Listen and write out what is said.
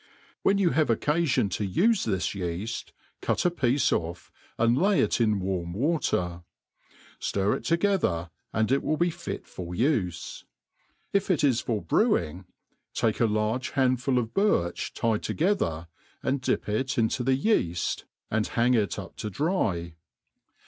Whew you have occafion to ufe this yeaft ciit a. piece ofF, and lay it in warm water ; ftir it together, and it will be fit for ufe. If it is for brewing, take a large kapdful of birch tied together, and dip it into the yeaft and hang it up to MADE PLAIH AND £ASY.